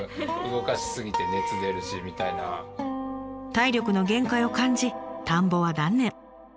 体力の限界を感じ田んぼは断念。